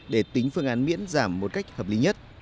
để tính phương án miễn giảm một cách hợp lý nhất